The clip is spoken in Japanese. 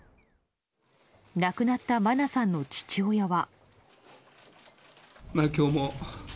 亡くなった真菜さんの父親は。